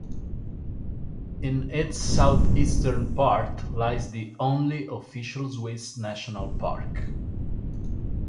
In its southeastern part lies the only official Swiss National Park.